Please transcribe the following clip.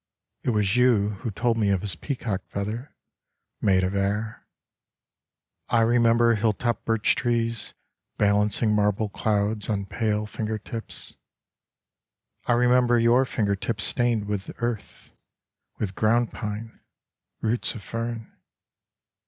It was you who told me of his peacock feather Made of air. I remember hilltop birchtrees Balancing marble clouds On pale fingertips. I remember your fingertips stained with earth, With ground pine ... roots of fern